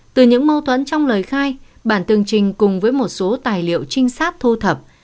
từ những mâu thuẫn trong lời khai bản tường trình cùng với một số tài liệu trinh sát thu thập